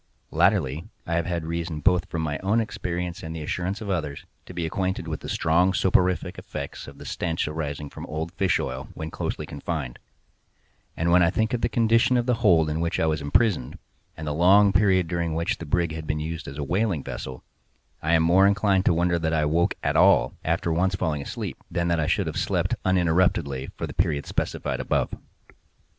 Latterly, I have had reason both from my own experience and the assurance of others, to be acquainted with the strong soporific effects of the stench arising from old fish oil when closely confined; and when I think of the condition of the hold in which I was imprisoned, and the long period during which the brig had been used as a whaling vessel, I am more inclined to wonder that I awoke at all, after once falling asleep, than that I should have slept uninterruptedly for the period specified above.